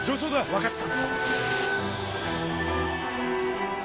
分かった！